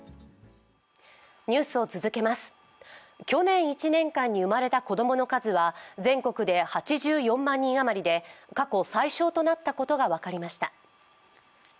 去年１年間に生まれた子供の数は全国で８４万人余りで過去最少となったことが分かりました。